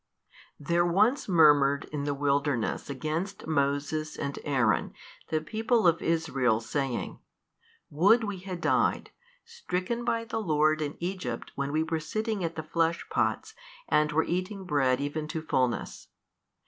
There once murmured 46 in the wilderness against Moses and Aaron the people of Israel saying, Would we had died, stricken by the Lord in Egypt when we were sitting at the flesh pots and were eating bread even to fulness.